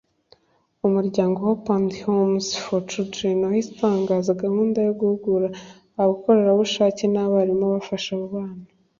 umuryango Hope and Homes for Children wahise utangiza gahunda yo guhugura abakorerabushake n’abarimu bafasha abo bana